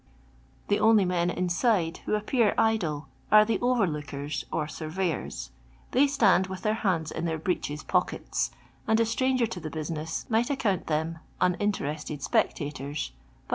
The only I men inside who appear idle are the over lookers, , or surveyors. They stand with their hands in their breeches' pockets ; and a stranger to the business might account them uninterested spectators, bal